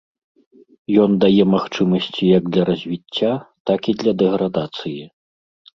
Ён дае магчымасці як для развіцця, так і для дэградацыі.